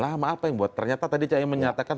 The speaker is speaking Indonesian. lama apa yang buat ternyata tadi cak iminin menyatakan